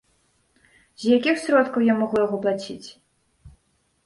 З якіх сродкаў я магу яго плаціць?